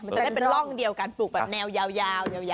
มันจะได้เป็นร่องเดียวกันปลูกแบบแนวยาว